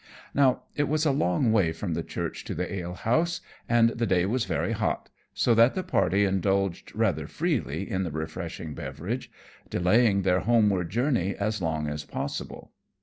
Now it was a long way from the Church to the ale house, and the day was very hot, so that the party indulged rather freely in the refreshing beverage, delaying their homeward journey as long as possible.